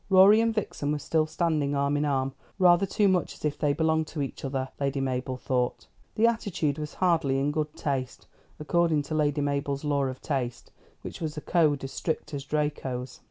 Rorie and Vixen were still standing arm in arm; rather too much as if they belonged to each other, Lady Mabel thought. The attitude was hardly in good taste, according to Lady Mabel's law of taste, which was a code as strict as Draco's.